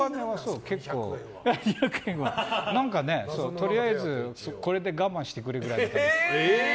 とりあえずこれで我慢してくれみたいな。